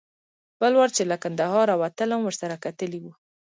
بل وار چې له کندهاره وتلم ورسره کتلي و.